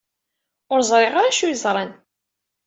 Ur ẓriɣ ara d acu ay ẓran.